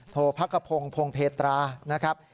โถพักครพงฯพลงเภตรา